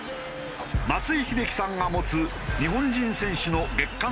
松井秀喜さんが持つ日本人選手の月間最多